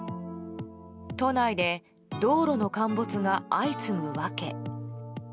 都内で道路の陥没が相次ぐ訳。